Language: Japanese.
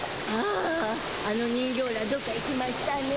ああの人形らどっか行きましゅたね。